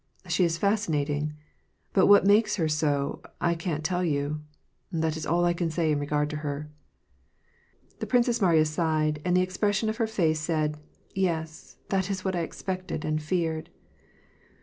She is fascinating. But what makes her so, I can't tell you ; that is all that. I can say in regard to her." The Princess Mariya sighed, and the expression of her face said, "Yes, this is what I expected and feared."